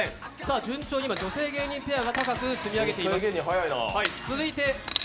順調に女性芸人ペアが積み上げています。